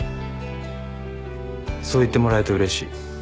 そう言ってもらえてうれしい。